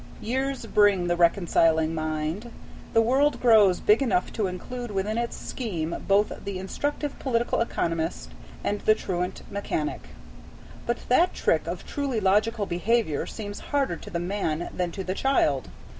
Years bring the reconciling mind. The world grows big enough to include within its scheme both the instructive political economist and the truant mechanic. But that trick of truly logical behavior seems harder to the man than to the child.